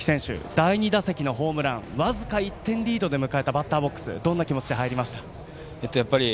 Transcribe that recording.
第２打席のホームラン僅か１点リードで迎えたバッターボックスどんな気持ちで入りましたか。